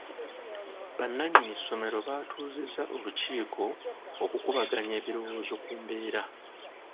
Bannannyini ssomero baatuuzizza olukiiko okukubaganya ebirowoozo ku mbeera.